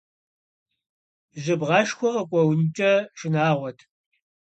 Жьыбгъэшхуэ къыкъуэункӏэ шынагъуэт.